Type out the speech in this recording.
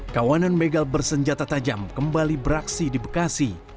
kawanan begal bersenjata tajam kembali beraksi di bekasi